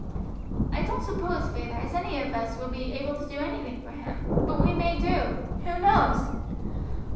"I don't suppose, feyther, as any of us will be able to do anything for him; but we may do, who knows?"